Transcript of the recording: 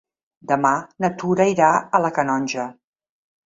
Demà na Tura irà a la Canonja.